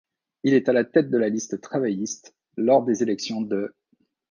Il est la tête de liste travailliste lors des élections de.